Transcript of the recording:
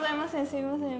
すみません